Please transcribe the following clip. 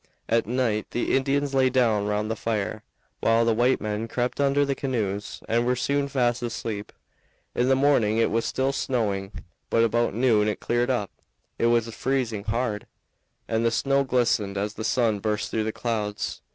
At night the Indians lay down round the fire, while the white men crept under the canoes and were soon fast asleep. In the morning it was still snowing, but about noon it cleared up. It was freezing hard, and the snow glistened as the sun burst through the clouds.